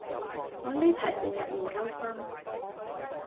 我呢排成日唔夠瞓